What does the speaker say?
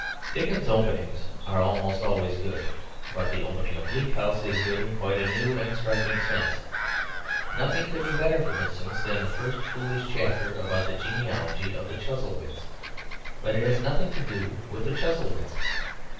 Dickens's openings are almost always good; but the opening of Bleak House is good in a quite new and striking sense. Nothing could be better, for instance, than the first foolish chapter about the genealogy of the Chuzzlewits; but it has nothing to do with the Chuzzlewits.